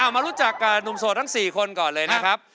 มารู้จักกับหนุ่มโสดทั้ง๔คนก่อนเลยนะครับ